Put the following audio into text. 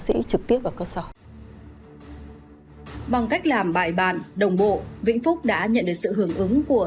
sĩ trực tiếp vào cơ sở bằng cách làm bài bàn đồng bộ vĩnh phúc đã nhận được sự hưởng ứng của